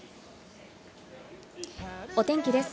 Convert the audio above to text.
お天気です。